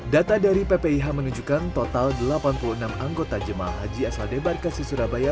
data dari ppih menunjukkan total delapan puluh enam anggota jemaah haji asal debarkasi surabaya